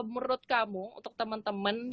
menurut kamu untuk teman teman